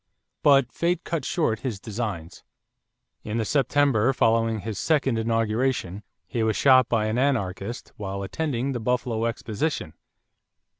But fate cut short his designs. In the September following his second inauguration, he was shot by an anarchist while attending the Buffalo exposition.